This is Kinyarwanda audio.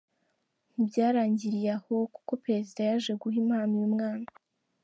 Ntibyarangiriye aho kuko Perezida yaje guha impano uyu mwana.